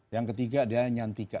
yang ketiga adalah nyantika